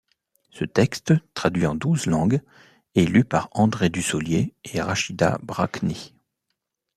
Ce texte, traduit en douze langues, est lu par André Dussollier et Rachida Brakni.